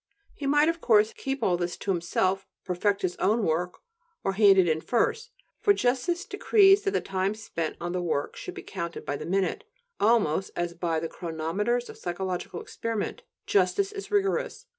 He might, of course, keep all this to himself, perfect his own work, or hand it in first. For justice decrees that the time spent on the work should be counted by the minute, almost as by the chronometers of psychological experiment. Justice is rigorous.